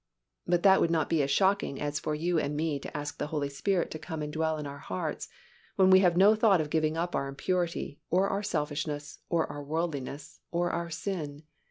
But that would not be as shocking as for you and me to ask the Holy Spirit to come and dwell in our hearts when we have no thought of giving up our impurity, or our selfishness, or our worldliness, or our sin.